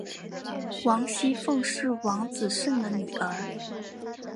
王熙凤是王子胜的女儿。